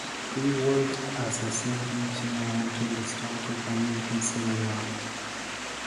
He worked as a civil engineer until the start of the American Civil War.